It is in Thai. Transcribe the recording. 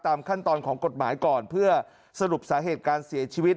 ขั้นตอนของกฎหมายก่อนเพื่อสรุปสาเหตุการเสียชีวิต